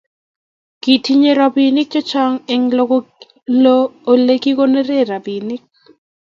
Kitinye robinik chechang eng olegigonoren robinik